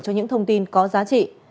cho những thông tin có giá trị